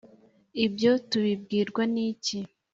ibyo tubibwirwa n iki